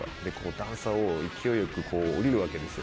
段差を勢いよく下りるわけですよ。